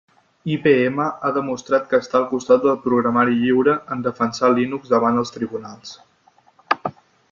IBM ha demostrat que està al costat del programari lliure en defensar Linux davant els tribunals.